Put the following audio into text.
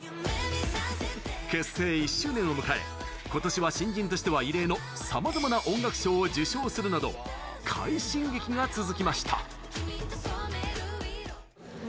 結成１周年を迎え今年は新人としては異例のさまざまな音楽賞を受賞するなど快進撃が続きました。